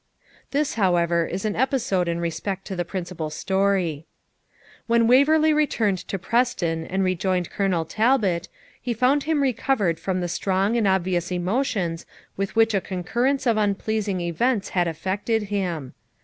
This, however, is an episode in respect to the principal story. When Waverley returned to Preston and rejoined Colonel Talbot, he found him recovered from the strong and obvious emotions with which a concurrence of unpleasing events had affected him.